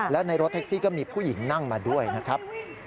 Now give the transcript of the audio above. และในรถแท็กซี่ก็มีผู้หญิงนั่งมาด้วยนะครับ